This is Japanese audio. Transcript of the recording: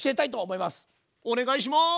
お願いします。